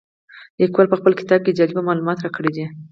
لیکوال په خپل کتاب کې جالب معلومات راکړي دي.